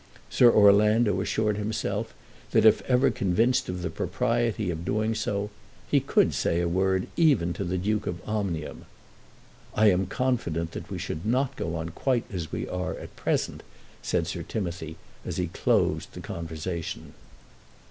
Sir Orlando assured himself that if ever convinced of the propriety of doing so, he could say a word even to the Duke of Omnium. "I am confident that we should not go on quite as we are at present," said Sir Timothy as he closed the conversation.